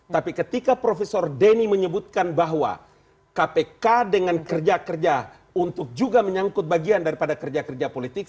tapi ketika profesor denny menyebutkan bahwa kpk dengan kerja kerja untuk juga menyangkut bagian daripada kerja kerja politik